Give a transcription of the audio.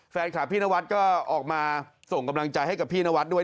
แฟนคลับพี่นวัดก็ออกมาส่งกำลังใจให้กับพี่นวัดด้วย